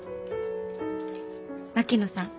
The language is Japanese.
槙野さん